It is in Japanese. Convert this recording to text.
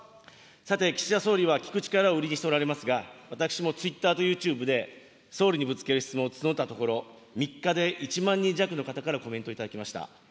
さて、岸田総理は聞く力を売りにしておられますが、私もツイッターとＹｏｕＴｕｂｅで、総理にぶつける質問を募ったところ、３日で１万人弱の方からのコメントを頂きました。